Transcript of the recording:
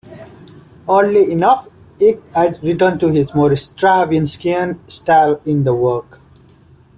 Oddly enough, Egk had returned to his more Stravinskian style in the work.